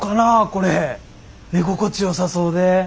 これ寝心地よさそうで。